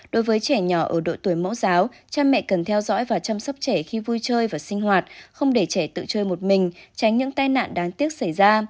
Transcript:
đối với trẻ nhỏ ở độ tuổi mẫu giáo cha mẹ cần theo dõi và chăm sóc trẻ khi vui chơi và sinh hoạt không để trẻ tự chơi một mình tránh những tai nạn đáng tiếc xảy ra